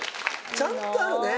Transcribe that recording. ちゃんとあるね。